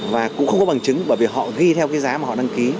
và cũng không có bằng chứng bởi vì họ ghi theo cái giá mà họ đăng ký